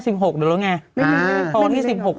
ซิ่งหกเดี๋ยวแล้วไงอ่าตอนที่สิบหก